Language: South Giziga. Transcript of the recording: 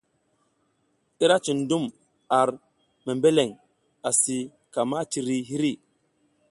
Ira cin dum ar membeleng asi ka miciri hiri.